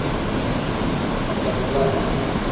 Adawula.